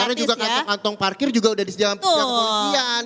apalagi sekarang juga kantong kantong parkir juga sudah disediakan pemerintian